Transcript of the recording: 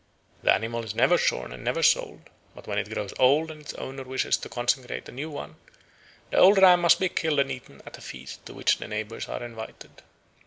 The animal is never shorn and never sold; but when it grows old and its owner wishes to consecrate a new one, the old ram must be killed and eaten at a feast to which the neighbours are invited.